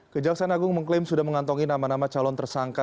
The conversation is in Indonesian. kejaksaan agung mengklaim sudah mengantongi nama nama calon tersangka